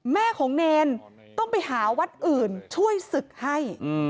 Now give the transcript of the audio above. แม่ของเนรต้องไปหาวัดอื่นช่วยศึกให้